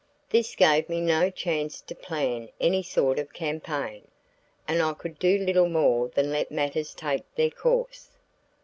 This gave me no chance to plan any sort of campaign, and I could do little more than let matters take their course.